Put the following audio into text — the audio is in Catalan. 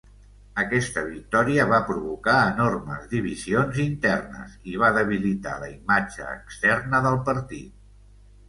Aquesta victòria va provocar enormes divisions internes i va debilitar la imatge externa del partit.